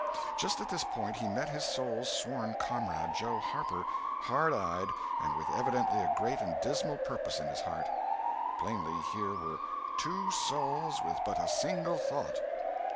Just at this point he met his soul's sworn comrade, Joe Harper—hard eyed, and with evidently a great and dismal purpose in his heart. Plainly here were "two souls with but a single thought."